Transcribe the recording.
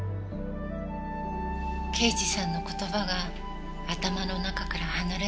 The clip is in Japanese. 刑事さんの言葉が頭の中から離れなくなり。